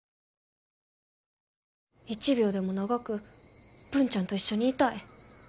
一秒でも長く文ちゃんと一緒にいたい。